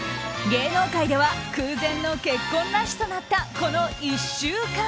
芸能界では空前の結婚ラッシュとなったこの１週間。